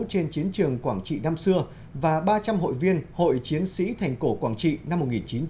trên chiến trường quảng trị năm xưa và ba trăm linh hội viên hội chiến sĩ thành cổ quảng trị năm một nghìn chín trăm bảy mươi